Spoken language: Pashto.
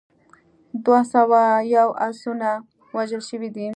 دوه سوه یو اسونه وژل شوي دي.